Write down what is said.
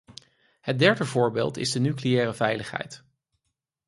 Het derde voorbeeld is de nucleaire veiligheid.